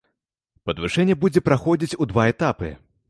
Падвышэнне будзе праходзіць у два этапы.